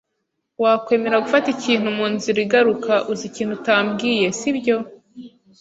Wakwemera gufata ikintu munzira igaruka? Uzi ikintu utambwiye, sibyo?